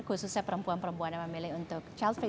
khususnya perempuan perempuan yang memilih untuk child free